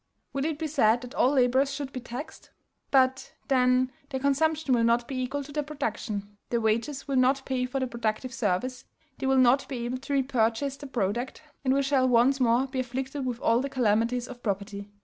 Will it be said that all laborers should be taxed? But, then, their consumption will not be equal to their production, their wages will not pay for their productive service, they will not be able to repurchase their product, and we shall once more be afflicted with all the calamities of property.